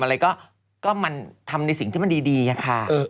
อะไรก็มันทำในสิ่งที่มันดีอะค่ะ